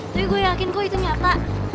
tapi gua yakin kok itu nyata